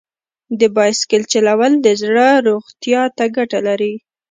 د بایسکل چلول د زړه روغتیا ته ګټه لري.